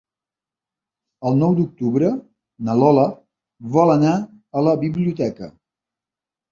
El nou d'octubre na Lola vol anar a la biblioteca.